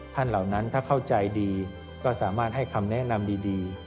เหล่านั้นถ้าเข้าใจดีก็สามารถให้คำแนะนำดี